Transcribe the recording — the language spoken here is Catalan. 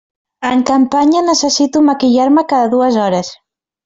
En campanya necessito maquillar-me cada dues hores.